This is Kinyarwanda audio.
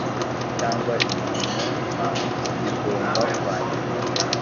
cyangwa imirimo bigomba kwandikwa